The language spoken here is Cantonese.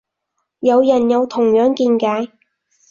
有人有同樣見解